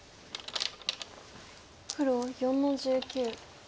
黒４の十九。